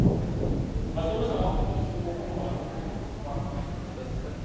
Abasomesa bakubirizibwa okwewala okwewola okwamagoba.